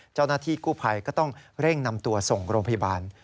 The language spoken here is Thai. เจ้าหน้าที่กู้ภัยก็ต้องเร่งนำตัวส่งโรงพยาบาล